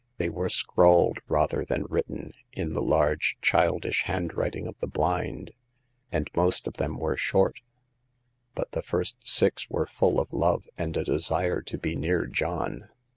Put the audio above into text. They were scrawled rather than written, in the large, childish handwriting of the blind ; and most of them were short, but the first six were full of love and a desire to be near John.